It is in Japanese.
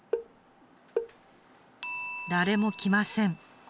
誰も来ません。